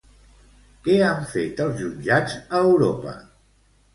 Què han fet els jutjats a Europa?